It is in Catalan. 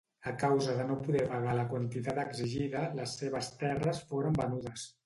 A causa de no poder pagar la quantitat exigida les seves terres foren venudes.